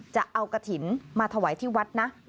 จะเอากระถิ่นมาถวายที่วัดนะ